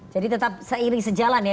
jadi tetap seiring sejalan ya